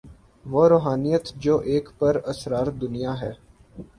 وہ روحانیت جو ایک پراسرار دنیا ہے۔